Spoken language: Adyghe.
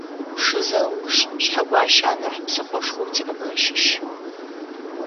Пшызэ ыуж Шъхьэгуащэ анахь псыхъошхоу тиӏэмэ ащыщ.